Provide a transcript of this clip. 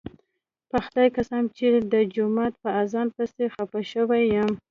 په خدای قسم چې د جومات په اذان پسې خپه شوی یم.